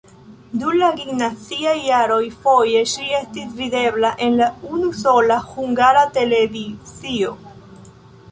Dum la gimnaziaj jaroj foje ŝi estis videbla en la unusola Hungara Televizio.